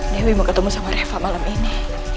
dewi mau ketemu sama reva malam ini